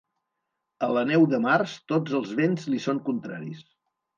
A la neu de març tots els vents li són contraris.